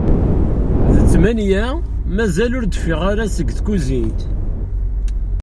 D tmanya mazal ur d-teffiɣ ara seg tkuzint.